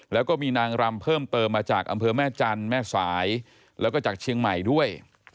แล้วก็มีนางรำเพิ่มเติมมาจากอำเภอแม่จันทร์แม่สายแล้วก็จากเชียงใหม่ด้วย